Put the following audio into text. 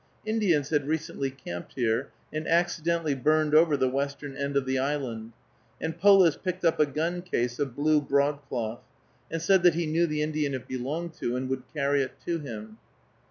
Indians had recently camped here, and accidentally burned over the western end of the island, and Polis picked up a gun case of blue broadcloth, and said that he knew the Indian it belonged to, and would carry it to him.